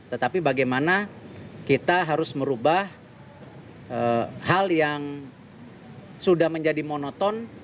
tetapi bagaimana kita harus merubah hal yang sudah menjadi monoton